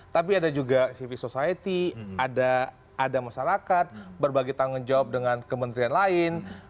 tapi ada juga civil society ada masyarakat berbagi tanggung jawab dengan kementerian lain